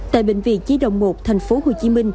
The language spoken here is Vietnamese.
tại bệnh viện nhi đồng một tp hcm